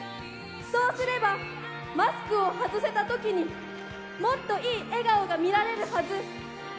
そうすれば、マスクを外せたときに、もっといい笑顔が見られるはず。